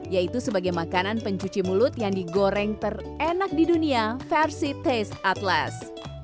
yaitu sebagai makanan pencuci mulut yang digoreng terenak di dunia versi taste atlas